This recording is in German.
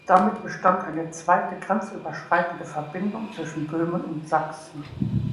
Damit bestand eine zweite grenzüberschreitende Verbindung zwischen Böhmen und Sachsen.